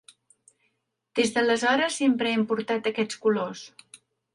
Des d’aleshores sempre hem portat aquests colors.